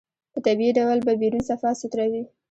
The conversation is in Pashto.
په طبيعي ډول به بيرون صفا سوتره وي.